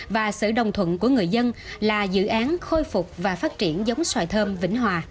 và sự đồng thuận của người dân là dự án khôi phục và phát triển giống xoài thơm vĩnh hòa